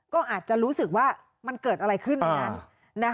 ก็อาจจะรู้สึกว่ามันเกิดอะไรขึ้นในนั้น